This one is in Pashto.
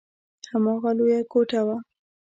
هماغه لويه کوټه وه.